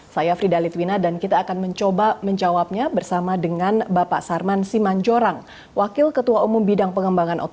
saya frida litwina dan kita akan mencoba menjawabnya bersama dengan bapak sarman simanjorang wakil ketua umum bidang pengembangan